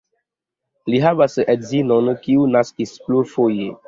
Li havas edzinon, kiu naskis plurfoje.